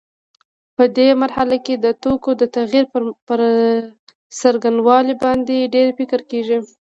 په دې مرحله کې د توکو د تغییر پر څرنګوالي باندې ډېر فکر کېږي.